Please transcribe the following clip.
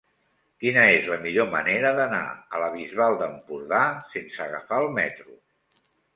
Quina és la millor manera d'anar a la Bisbal d'Empordà sense agafar el metro?